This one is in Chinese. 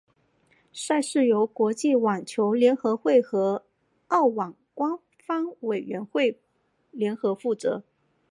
赛事由国际网球联合会和澳网官方委员会联合负责。